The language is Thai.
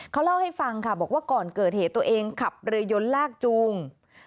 เขาเล่าให้ฟังค่ะบอกว่าก่อนเกิดเหตุตัวเองขับเรือยนลากจูง